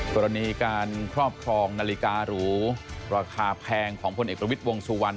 กรณีการครอบครองนาฬิการูราคาแพงของพลเอกประวิทย์วงสุวรรณ